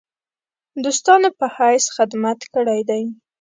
دوستانو په حیث خدمت کړی دی.